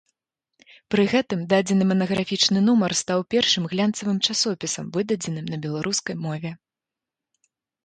Пры гэтым дадзены манаграфічны нумар стаў першым глянцавым часопісам, выдадзеным на беларускай мове.